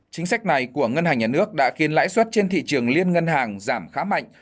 chính sách này của ngân hàng nhà nước đã khiến lãi suất trên thị trường liên ngân hàng giảm khá mạnh